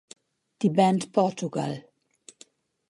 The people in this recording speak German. Die Band Portugal.